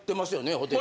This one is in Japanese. ホテル。